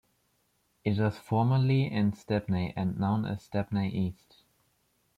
It was formerly in Stepney and known as Stepney East.